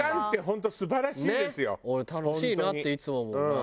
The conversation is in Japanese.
俺楽しいなっていつも思うな。